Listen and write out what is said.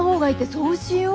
そうしよう。